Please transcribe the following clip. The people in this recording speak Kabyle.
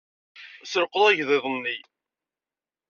Selqeḍ agḍiḍ-nni.